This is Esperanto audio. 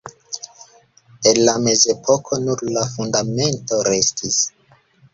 El la mezepoko nur la fundamento restis.